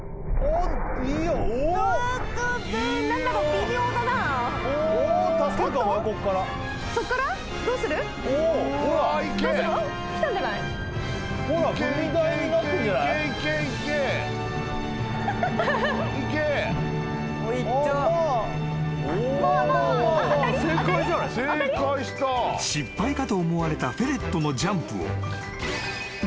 ［失敗かと思われたフェレットのジャンプを］